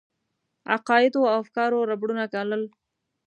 عقایدو او افکارو ربړونه ګالل.